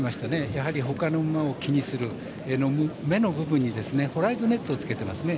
やはり他の馬を気にする目の部分にメットをつけてますね。